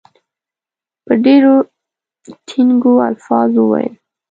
په ډېرو ټینګو الفاظو وویل.